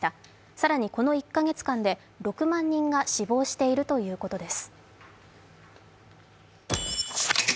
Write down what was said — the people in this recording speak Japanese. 更にこの１カ月間で６万人が死亡しているということです。